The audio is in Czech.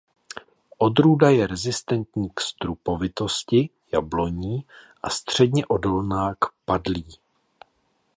Odrůda je rezistentní k strupovitosti jabloní a středně odolná k padlí.